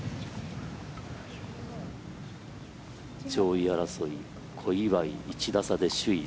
上位争い小祝、１打差で首位。